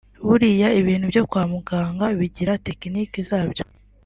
Buriya ibintu byo kwa muganga bigira tekiniki zabyo